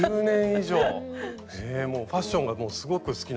もうファッションがすごく好きなんですね。